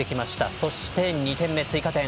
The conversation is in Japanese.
そして２点目、追加点。